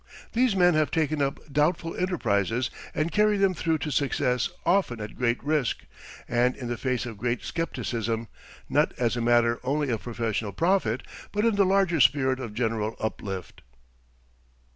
These men have taken up doubtful enterprises and carried them through to success often at great risk, and in the face of great scepticism, not as a matter only of personal profit, but in the larger spirit of general uplift.